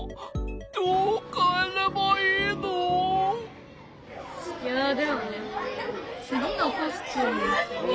どう変えればいいの？